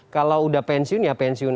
kalau udah pensiun ya pensiun